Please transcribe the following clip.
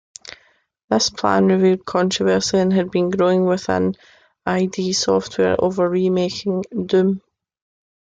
This plan revealed controversy had been growing within id Software over remaking "Doom".